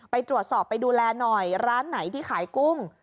ไปตรวจสอบไปดูแลหน่อยร้านไหนที่ขายกุ้ง